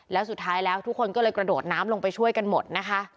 แล้วสุดท้ายแล้วทุกคนก็เลยกระโดดน้ำลงไปช่วยกันหมดนะคะ